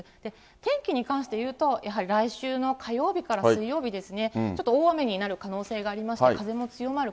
天気に関して言うと、やはり来週の火曜日から水曜日ですね、ちょっと大雨になる可能性がありまし